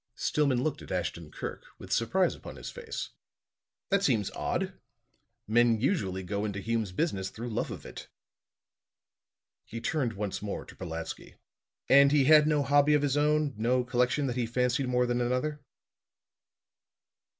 Stillman looked at Ashton Kirk, with surprise upon his face. "That seems odd. Men usually go into Hume's business through love of it." He turned once more to Brolatsky. "And he had no hobby of his own, no collection that he fancied more than another?"